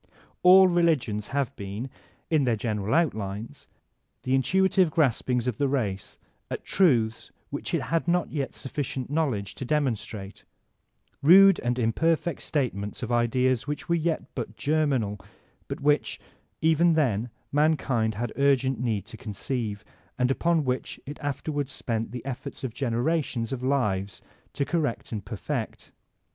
All religions have been, in their great general outlines, the intuitive graspings of the race at truths which it had not yet sufficient knowledge to demonstrate, — rude and imperfect statements of ideas which were yet but germ inal, but which, even then, mankind had urgent need to conceive, and upon which it afterwards spent the efforts of generations of lives to correct and perfect.